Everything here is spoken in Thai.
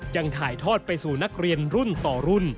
ยังถ่ายทอดไปสู่นักเรียนรุ่นต่อรุ่น